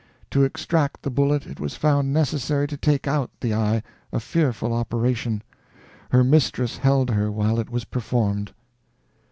To extract the bullet it was found necessary to take out the eye a fearful operation. Her mistress held her while it was performed."